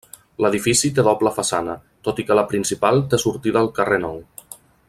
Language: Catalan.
L'edifici té doble façana, tot i que la principal té sortida al carrer Nou.